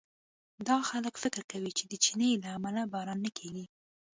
دا خلک فکر کوي چې د چیني له امله باران نه کېږي.